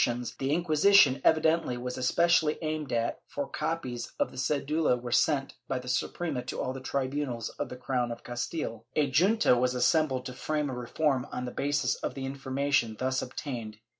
512 CENSORSHIP [Book VIII the Inquisition evidently was especially aimed at, for copies of the cedilla were sent by the Suprema to all the tribunals of the crown of Castile/ A junta was assembled to frame a reform on the basis of the information thus obtained.